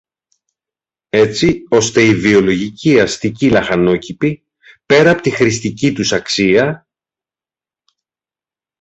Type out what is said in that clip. έτσι ώστε οι βιολογικοί αστικοί λαχανόκηποι, πέρα από τη χρηστική τους αξία